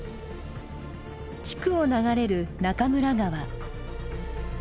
地区を流れる中村川。